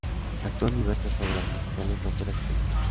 Actuó en diversas obras, musicales, óperas y películas.